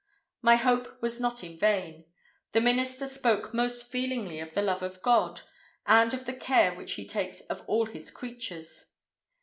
My hope was not in vain. The minister spoke most feelingly of the love of God, and of the care which He takes of all His creatures.